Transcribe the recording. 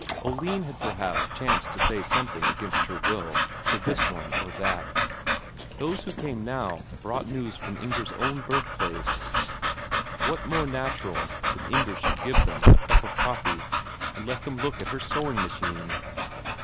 Oline had perhaps chanced to say something against her will, to this one or that. Those who came now brought news from Inger's own birthplace; what more natural than that Inger should give them a cup of coffee, and let them look at her sewing machine!